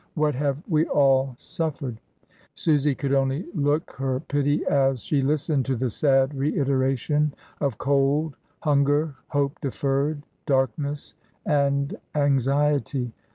"What have we all suffered !" Susy could only look her pity as she listened to the sad reiteration of cold, hunger, hope deferred, darkness and anxiety.